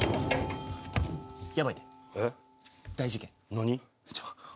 何？